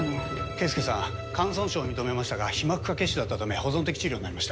圭介さん肝損傷を認めましたが被膜下血腫だったため保存的治療になりました。